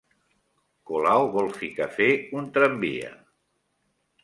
Colau vol ficar fer un tramvia